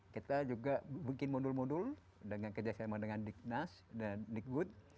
kita juga bikin modul modul dengan kerjasama dengan dik nas dan dik gut